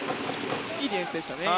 いいディフェンスでしたね。